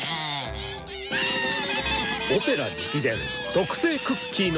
オペラ直伝特製クッキーの作り方。